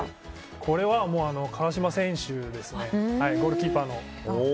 これは、川島選手ですねゴールキーパーの。